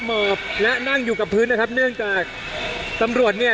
หมอบและนั่งอยู่กับพื้นนะครับเนื่องจากตำรวจเนี่ย